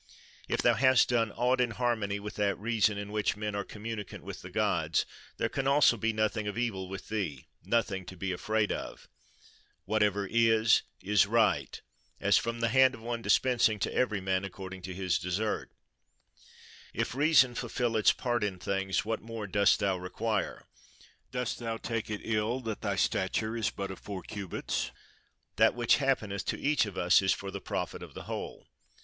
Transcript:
If thou hast done aught in harmony with that reason in which men are communicant with the gods, there also can be nothing of evil with thee—nothing to be afraid of: Whatever is, is right; as from the hand of one dispensing to every man according to his desert: If reason fulfil its part in things, what more dost thou require? Dost thou take it ill that thy stature is but of four cubits? That which happeneth to each of us is for the profit of the whole.